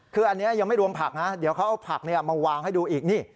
คืออันนี้ยังไม่รวมผักนะเดี๋ยวเขาเอาผักมาวางให้ดูอีกนี่